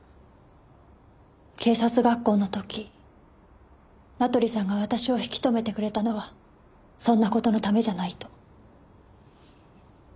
警察学校の時名取さんが私を引き留めてくれたのはそんな事のためじゃないと。